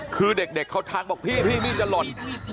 คือเด็กเขาทักบอกพี่พี่จะหล่น